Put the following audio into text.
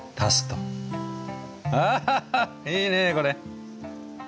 あいいねこれ。